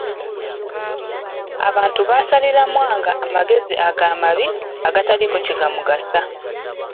Abantu baasalira Mwanga amagezi ago amabi agataliiko kye gaamugasa.